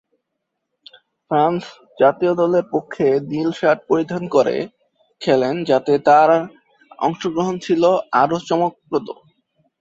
France জাতীয় দলের পক্ষে নীল শার্ট পরিধান করে খেলেন যাতে তার অংশগ্রহণ ছিল আরও চমকপ্রদ।